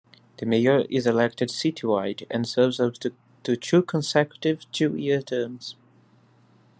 The mayor is elected citywide and serves up to two consecutive two-year terms.